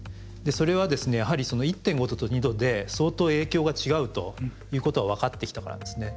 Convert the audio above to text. それはですねやはり１．５℃と２℃で相当影響が違うということが分かってきたからですね。